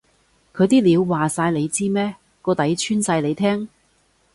佢啲料話晒你知咩？個底穿晒你聽？